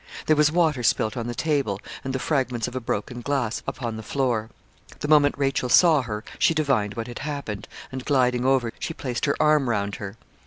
There was water spilt on the table, and the fragments of a broken glass upon the floor. The moment Rachel saw her, she divined what had happened, and, gliding over, she placed her arm round her.